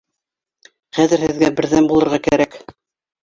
— Хәҙер һеҙгә берҙәм булырға кәрәк.